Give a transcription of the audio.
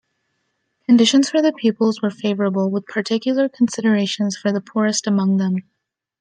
Conditions for the pupils were favourable, with particular considerations for the poorest among them.